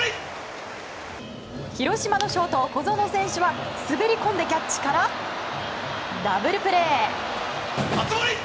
広島のショート、小園選手は滑り込んでキャッチからダブルプレー！